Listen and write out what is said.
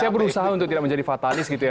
saya berusaha untuk tidak menjadi fatanis gitu ya